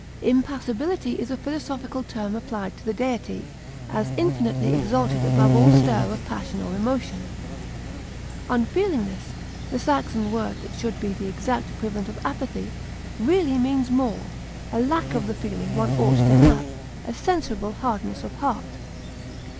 Impassibility is a philosophical term applied to the Deity, as infinitely exalted above all stir of passion or emotion. Unfeelingness, the Saxon word that should be the exact equivalent of apathy, really means more, a lack of the feeling one ought to have, a censurable hardness of heart.